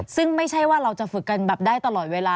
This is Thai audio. ซึ่งไม่ใช่ว่าเราจะฝึกกันแบบได้ตลอดเวลา